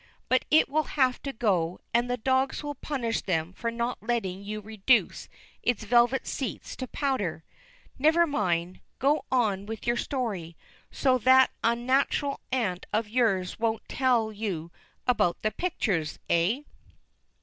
"But it will have to go, and the dogs will punish them for not letting you reduce its velvet seats to powder. Never mind, go on with your story; so that unnatural aunt of yours wouldn't tell you about the pictures, eh?"